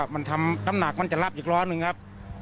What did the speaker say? มันทำน้ำหนักมันจะรับอีกร้อยหนึ่งครับ